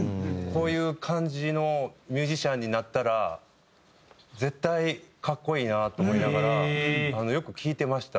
こういう感じのミュージシャンになったら絶対格好いいなと思いながらよく聴いてました。